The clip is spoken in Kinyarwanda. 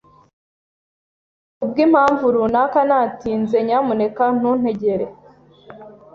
Niba kubwimpamvu runaka natinze, nyamuneka ntuntegere.